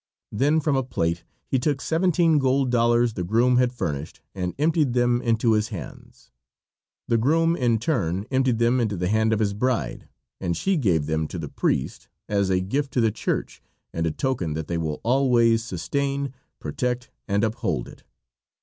Then from a plate he took seventeen gold dollars the groom had furnished and emptied them into his hands. The groom in turn emptied them into the hand of his bride, and she gave them to the priest as a gift to the Church and a token that they will always sustain, protect, and uphold it.